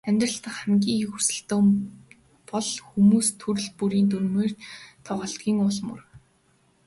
Амьдрал дахь хамгийн их зөрөлдөөн бол хүмүүс төрөл бүрийн дүрмээр тоглодгийн ул мөр.